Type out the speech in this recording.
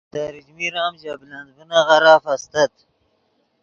تریچمیر ام ژے بلند ڤینغیرف استت